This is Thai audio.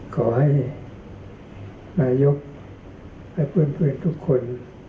ขอให้นายกและเพื่อนทุกคน